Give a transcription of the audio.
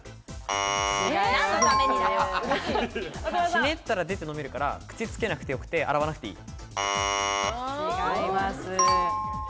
ひねったら出て飲めるから、口つけなくてよくて洗わなくていい。